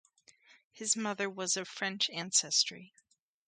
Her mother was of French ancestry.